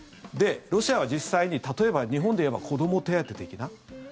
ロシアは実際に、例えば日本でいえば子ども手当的な。